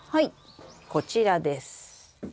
こちらです。